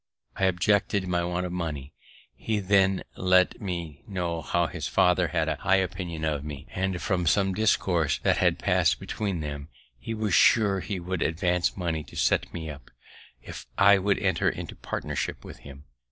I objected my want of money. He then let me know that his father had a high opinion of me, and, from some discourse that had pass'd between them, he was sure would advance money to set us up, if I would enter into partnership with him.